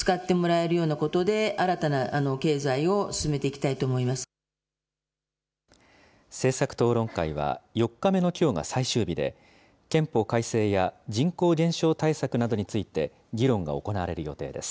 また、観光振興については。政策討論会は、４日目のきょうが最終日で、憲法改正や人口減少対策などについて議論が行われる予定です。